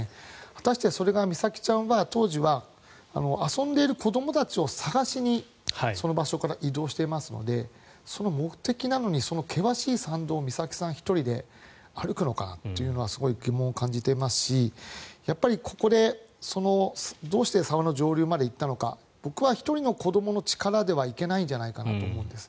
果たして、それが美咲ちゃんは当時は遊んでいる子どもたちを探しにその場所から移動していますので険しい道を美咲さん１人で歩くのかなとは疑問を感じていますしここで、どうして沢の上流まで行ったのか僕は１人の子どもの力では行けないんじゃないかなと思うんです。